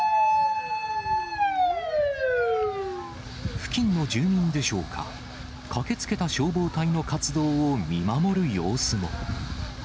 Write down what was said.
付近の住民でしょうか、駆けつけた消防隊の活動を見守る様子も。